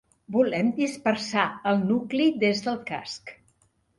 Volem dispersar el nucli des del casc.